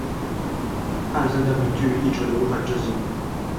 汉森的名句一直流传至今。